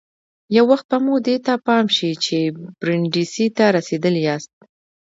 یو وخت به مو دې ته پام شي چې برېنډېسي ته رسېدلي یاست.